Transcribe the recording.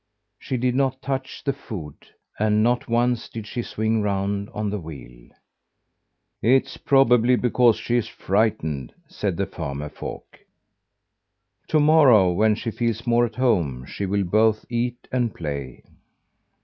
She did not touch the food; and not once did she swing round on the wheel. "It's probably because she's frightened," said the farmer folk. "To morrow, when she feels more at home, she will both eat and play."